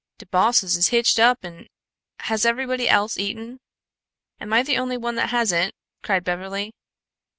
De bosses is hitched up an' " "Has everybody else eaten? Am I the only one that hasn't?" cried Beverly.